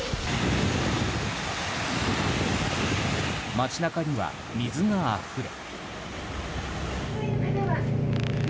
街中には水があふれ。